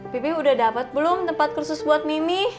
pipi udah dapat belum tempat kursus buat mimi